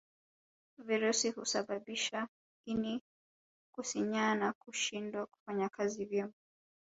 Virusi husababisha ini kusinyaa na kushindwa kufanya kazi vyema